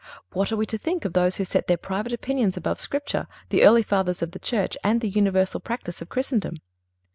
What are we to think of those who set their private opinions above Scripture, the early Fathers of the Church and the universal practice of Christendom?